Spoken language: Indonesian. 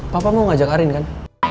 papa mau ngajak arin kan